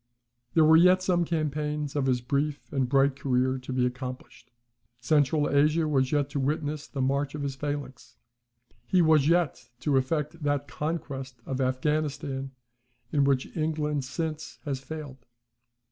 There were yet some campaigns of his brief and bright career to be accomplished. Central Asia was yet to witness the march of his phalanx. He was yet to effect that conquest of Affghanistan in which England since has failed.